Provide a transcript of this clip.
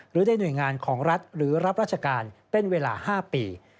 หรือในหน่วยงานของรัฐหรือรับราชการเป็นเวลา๕ปี